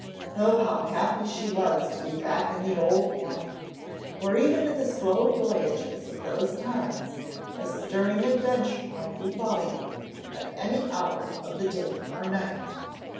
Oh, how happy she was to be back in the old life, where, even in the slow voyages of those times, a stirring adventure might befall you at any hour of the day or night!